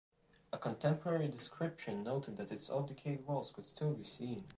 A contemporary description noted that its old decayed walls could still be seen.